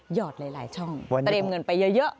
อดหลายช่องเตรียมเงินไปเยอะ